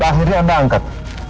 akhirnya anda angkat